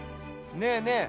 ねえねえ